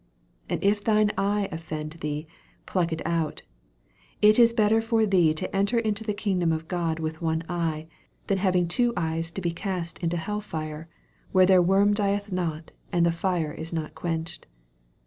47 And if thine eye offend thee, plnck it out ; it is better for thee to enter into the kingdom of God with one eye, than having two eyes to be cast into hell fire : 48 Where, their worm dieth not, and the fire is not quenched.